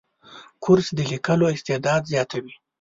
کورس د لیکلو استعداد زیاتوي.